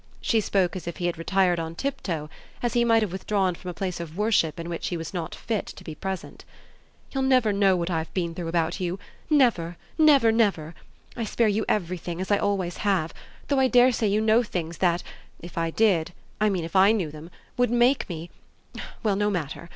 She spoke as if he had retired on tiptoe, as he might have withdrawn from a place of worship in which he was not fit to be present. "You'll never know what I've been through about you never, never, never. I spare you everything, as I always have; though I dare say you know things that, if I did (I mean if I knew them) would make me well, no matter!